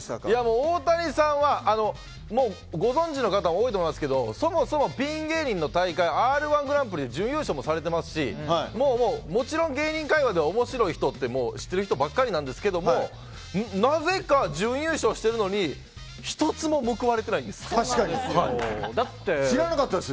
大谷さんはご存じの方多いと思いますけどそもそもピン芸人の大会「Ｒ‐１グランプリ」で準優勝もされてますしもちろん芸人界隈で面白い人って知っている人ばかりなんですけどなぜか準優勝してるのに知らなかったです。